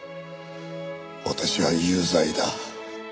私は有罪だ。